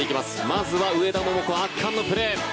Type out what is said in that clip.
まずは上田桃子、圧巻のプレー。